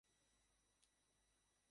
মানে, হ্যাঁ, এখনো কোনো সঙ্গী পাইনি।